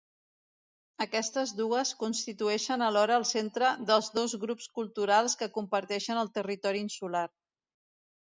Aquestes dues constitueixen alhora el centre dels dos grups culturals que comparteixen el territori insular.